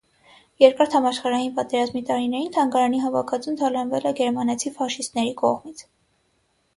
Երկրորդ համաշխարհային պատերազմի տարիներին թանգարանի հավաքածուն թալանվել է գերմանացի ֆաշիստների կողմից։